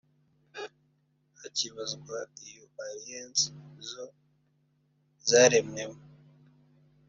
hakibazwa iyo Aliens zo zaremwemo